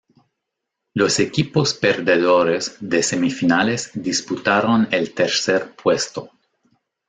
Los equipos perdedores de semifinales disputaron el tercer puesto.